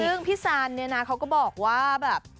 ซึ่งพี่ซันเนี่ยนะเขาก็บอกว่าแบบ